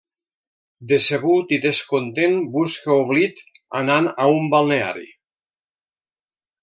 Decebut i descontent, busca oblit anant a un balneari.